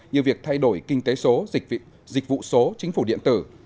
như việc thay đổi kinh tế số dịch vụ số chính phủ điện tử